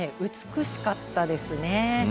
美しかったですね。